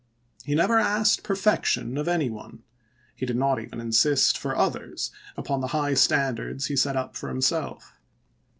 He never asked perfection of any one ; he did not even insist, for others, upon the high standards he set up for himself.